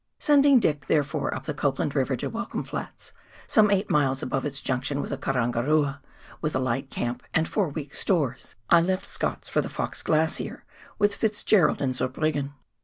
Sending Lick, therefore, up the Copland River to Welcome Flats — some eight miles above its junction with the Karan garua — with a light camp, and four weeks' stores, I left Scott's for the Fox Glacier with Fitzgerald and Zurbriggeu.